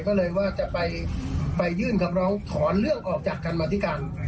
ก็เลยว่าจะไปยื่นคำร้องถอนเรื่องออกจากการมาธิการ